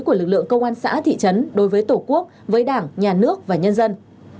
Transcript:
của lực lượng công an xã thị trấn đối với tổ quốc với đảng nhà nước và nhân dân